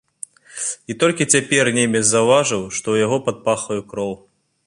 І толькі цяпер немец заўважыў, што ў яго пад пахаю кроў.